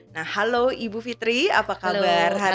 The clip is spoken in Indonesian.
nah halo ibu fitri apa kabar hari ini